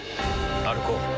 歩こう。